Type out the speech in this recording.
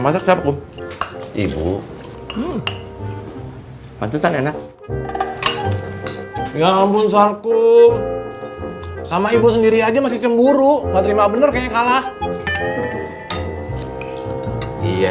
sampai jumpa di video selanjutnya